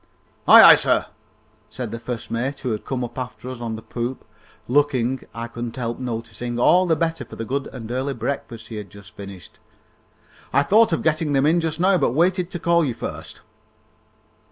"Aye, aye, sir," said the first mate, who had come up after us on the poop, looking, I couldn't help noticing, all the better for the good and early breakfast he had just finished. "I thought of getting them in just now, but waited to call you first."